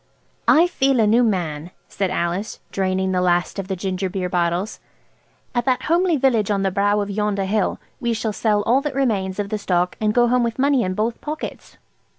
"I feel a new man," said Alice, draining the last of the ginger beer bottles. "At that homely village on the brow of yonder hill we shall sell all that remains of the stock, and go home with money in both pockets."